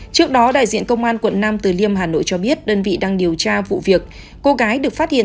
trước đó đại diện công an quận nam từ liêm hà nội cho biết đơn vị đang điều tra vụ việc cô gái được phát hiện